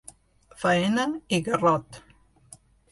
Faena i garrot.